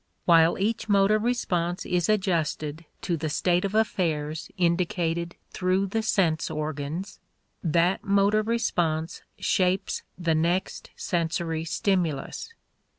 While each motor response is adjusted to the state of affairs indicated through the sense organs, that motor response shapes the next sensory stimulus.